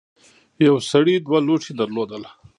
یو سړي دوه لوښي درلودل.